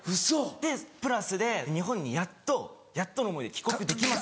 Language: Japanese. でプラスで日本にやっとやっとの思いで帰国できます。